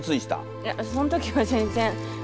いやそん時は全然。